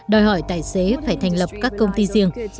đòi hỏi tài xế phải thành lập các công ty riêng